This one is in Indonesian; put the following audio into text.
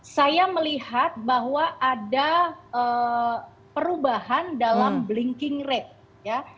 saya melihat bahwa ada perubahan dalam blinking rate ya